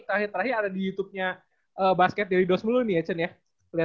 terakhir terakhir ada di youtubenya basket daily dose mulu nih ya cen ya